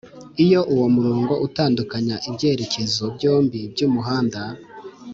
iyo uwo murongo utandukanya ibyerekezo byombi by'umuhanda.